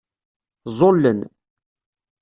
Ẓẓullen.